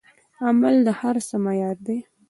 عمل د هر څه معیار دی.